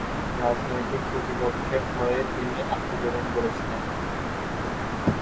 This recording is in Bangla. রাজনৈতিক প্রতিপক্ষের ভয়ে তিনি আত্মগোপন করেছিলেন।